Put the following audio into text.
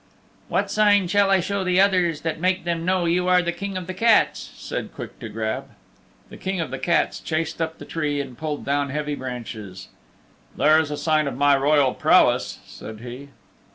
"What sign shall I show the others that will make them know you are the King of the Cats?" said Quick to Grab. The King of the Cats chased up the tree and pulled down heavy branches. "There is a sign of my royal prowess," said he.